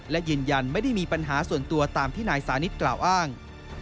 และยืนยันไม่ได้มีปัญหาส่วนตัวตามที่นายสานิทกล่าวอ้าง